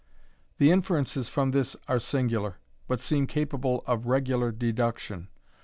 The inferences from this are singular, but seem capable of regular deduction.